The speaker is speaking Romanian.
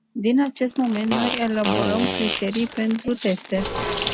Din acel moment, noi elaborăm criteriile pentru teste.